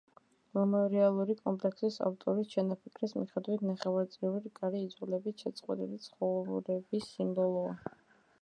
მემორიალური კომპლექსის ავტორის ჩანაფიქრის მიხედვით ნახევრწრიული რკალი იძულებით შეწყვეტილი ცხოვრების სიმბოლოა.